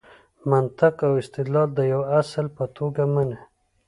منطق او استدلال د یوه اصل په توګه مني.